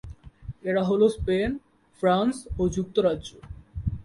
এরা হল Spain, France ও যুক্তরাজ্য।